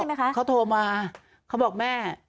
พี่แข็งเจ๋งเขาโทรมาครับบอกแม่